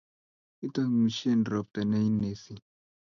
Itangusieng’ ropta ne inesi